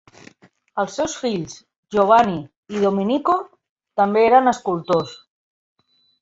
Els seus fills Giovanni i Domenico també eren escultors.